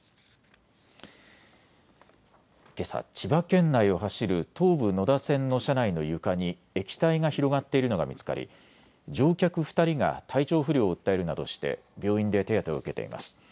けさ、千葉県内を走る東武野田線の車内の床に液体が広がっているのが見つかり乗客２人が体調不良を訴えるなどして病院で手当てを受けています。